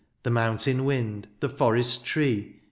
The mountain wmd^ the forest tree.